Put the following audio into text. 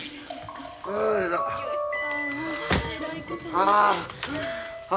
ああ。